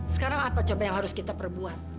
sekarang apa coba yang harus kita perbuat